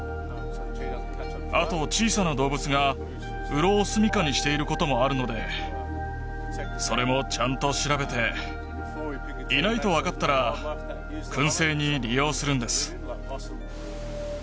あと小さな動物がうろをすみかにしていることもあるのでそれもちゃんと調べていないと分かったら燻製に利用するんです